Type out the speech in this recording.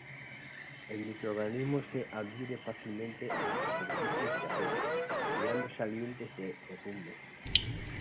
El microorganismo se adhiere fácilmente a superficies de acero, creando salientes de herrumbre.